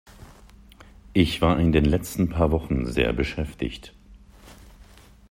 Ich war in den letzten paar Wochen sehr beschäftigt.